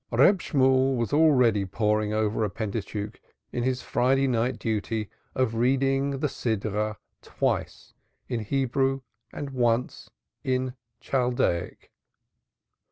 Reb Shemuel was already poring over a Pentateuch in his Friday night duty of reading the Portion twice in Hebrew and once in Chaldaic.